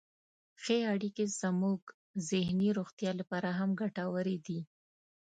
ښې اړیکې زموږ ذهني روغتیا لپاره هم ګټورې دي.